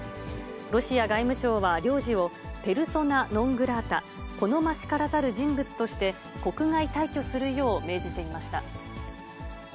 ロシア外務省は、領事を、ペルソナ・ノン・グラータ・好ましからざる人物として、国外退去するよう命じていました。